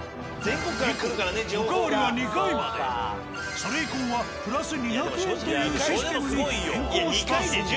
以降おかわりは２回までそれ以降はプラス２００円というシステムに変更したそう。